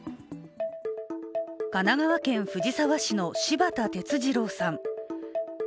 神奈川県藤沢市の柴田哲二郎さん。